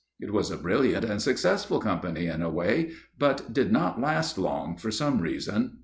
It was a brilliant and successful company in a way, but did not last long for some reason.